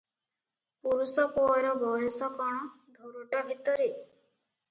ପୁରୁଷ ପୁଅର ବୟସ କଣ ଧରୋଟ ଭିତରେ?